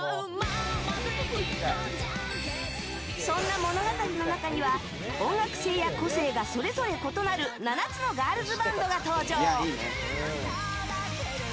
そんな物語の中には音楽性や個性がそれぞれ異なる７つのガールズバンドが登場。